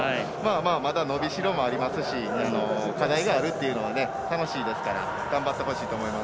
まだ伸びしろもありますし課題があるというのは楽しいですから頑張ってほしいと思います。